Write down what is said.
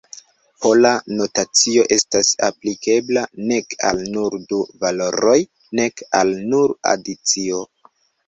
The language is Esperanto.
Pola notacio estas aplikebla nek al nur du valoroj, nek al nur adicio.